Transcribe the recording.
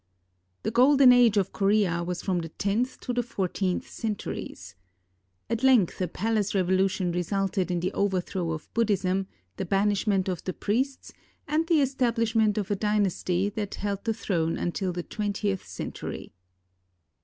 The Golden Age of Korea was from the tenth to the four teenth centuries. At length a palace revolution resulted in the overthrow of Buddhism, the banishment of the priests, and the establishment of a dynasty that held the throne until the twentieth century.